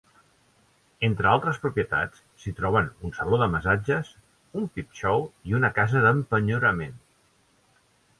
Entre altres propietats s'hi troben un saló de massatges, un peep-show i una casa d'empenyorament.